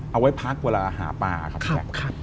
เอาไว้พักเวลาหาป่าครับทุกแค่